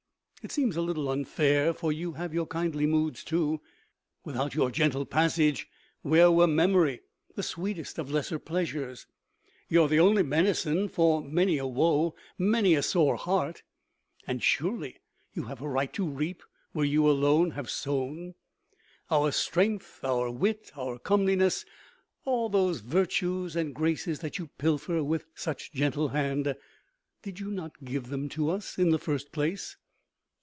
It seems a little unfair. For you have your kindly moods, too. Without your gentle passage where were Memory, the sweetest of lesser pleasures? You are the only medicine for many a woe, many a sore heart. And surely you have a right to reap where you alone have sown? Our strength, our wit, our comeliness, all those virtues and graces that you pilfer with such gentle hand, did you not give them to us in the first place?